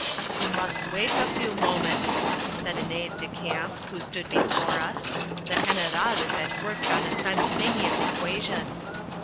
"You must wait a few moments," said an aide de camp, who stood beside us. "The General is at work on a simultaneous equation!"